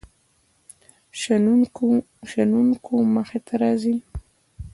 شنونکو مخې ته راځي.